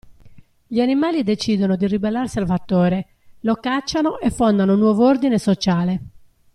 Gli animali decidono di ribellarsi al fattore, lo cacciano e fondano un nuovo ordine sociale.